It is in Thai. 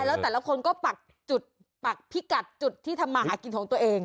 แล้วแต่ละคนก็ปักจุดปักพิกัดจุดที่ทำมาหากินของตัวเอง